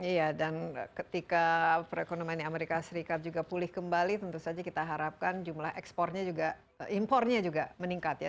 iya dan ketika perekonomian amerika serikat juga pulih kembali tentu saja kita harapkan jumlah ekspornya juga impornya juga meningkat ya